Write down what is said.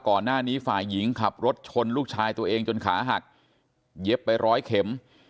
ก่อนหน้านี้ฝ่ายหญิงขับรถชนลูกชายตัวเองจนขาหักเย็บไปร้อยเข็ม